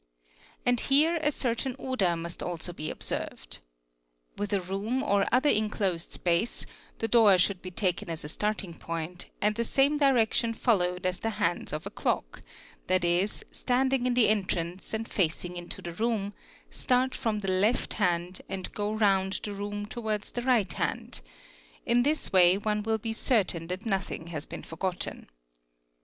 And here | a certain order must also be observed. With a room or other inclosed — space the door should be taken as a starting point and the same direction — followed as the hands of a clock, 7.e., standing in the entrance and facing | into the room, start from the left hand and go round the room towards the right hand; in this way one will be certain that nothing has been forgotten.